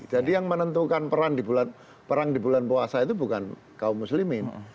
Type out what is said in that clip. jadi yang menentukan perang di bulan puasa itu bukan kaum muslimin